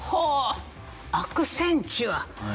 アクセンチュア。